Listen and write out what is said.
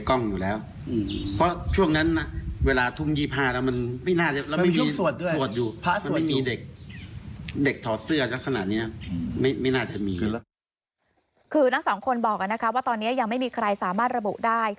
คือทั้งสองคนบอกนะคะว่าตอนนี้ยังไม่มีใครสามารถระบุได้